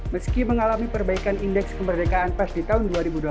meski mengalami perbaikan indeks kemerdekaan pers di tahun dua ribu dua puluh